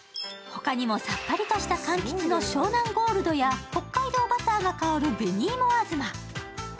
ほかにもさっぱりとした柑橘の湘南ゴールドや北海道バターが香る紅芋あずま。